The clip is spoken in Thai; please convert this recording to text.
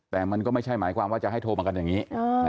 แต่มันก็ไม่ใช่หมายความว่าจะให้โทรมากันอย่างนี้